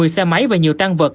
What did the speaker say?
một mươi xe máy và nhiều tăng vật